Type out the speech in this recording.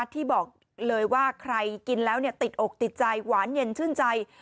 ที่บอกเลยว่าใครกินแล้วติดอกติดใจหวานเย็นชื่นใจ